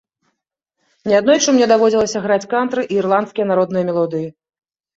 Не аднойчы мне даводзілася граць кантры і ірландскія народныя мелодыі.